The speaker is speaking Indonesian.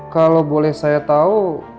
kalau boleh saya tahu